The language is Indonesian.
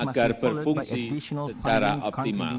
agar berfungsi secara optimal